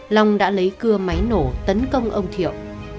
long đã lấy cưa máy nổ tấn công ông thiệu